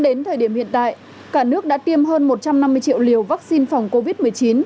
đến thời điểm hiện tại cả nước đã tiêm hơn một trăm năm mươi triệu liều vaccine phòng covid một mươi chín